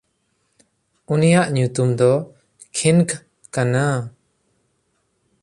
ᱩᱱᱤᱭᱟᱜ ᱧᱩᱛᱩᱢ ᱫᱚ ᱠᱷᱤᱱᱜ ᱠᱟᱱᱟ᱾